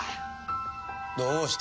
どうした？